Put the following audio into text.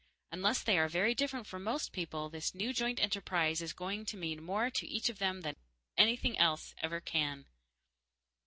Unless they are very different from most people, this new joint enterprise is going to mean more to each of them than anything else ever can.